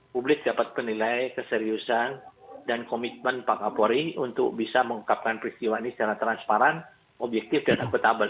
publik dapat penilai keseriusan dan komitmen pak kapolri untuk bisa mengungkapkan peristiwa ini secara transparan objektif dan akutabel